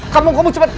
kamu sedang barrel